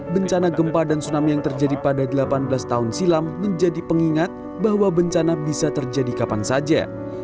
bencana gempa dan tsunami yang terjadi pada delapan belas tahun silam menjadi pengingat bahwa bencana bisa terjadi kapan saja